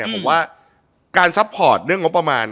ผมว่าการซัพพอร์ต